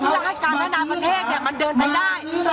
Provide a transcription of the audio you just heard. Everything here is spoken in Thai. เพื่อให้การแนะนำประเทศมันเดินไปได้